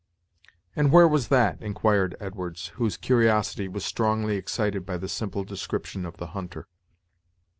"And where was that?" inquired Edwards, whose curiosity was strongly excited by the simple description of the hunter.